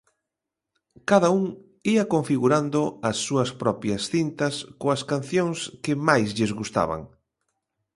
Cada un ía configurando as súas propias cintas, coas cancións que máis lles gustaban.